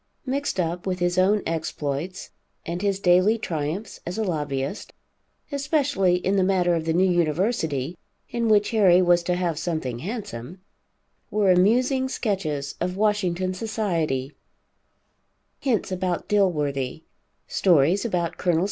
Mixed up with his own exploits, and his daily triumphs as a lobbyist, especially in the matter of the new University, in which Harry was to have something handsome, were amusing sketches of Washington society, hints about Dilworthy, stories about Col.